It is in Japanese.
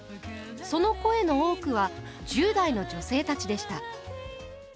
その声の多くは１０代の女性たちでした。